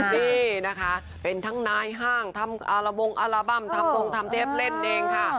นี่นะคะเป็นทั้งนายห้างทำอาระบงอัลบั้มทำบงทำเทปเล่นเองค่ะ